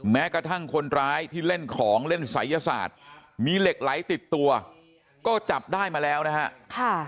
แม้กระทั่งคนร้ายที่เล่นของเล่นศัยยศาสตร์มีเหล็กไหลติดตัวก็จับได้มาแล้วนะฮะ